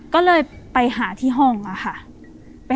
ก็เลยไปหาที่ห้องค่ะ